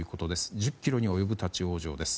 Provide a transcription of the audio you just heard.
１０ｋｍに及ぶ立ち往生です。